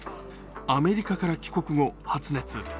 アメリカから帰国後、発熱。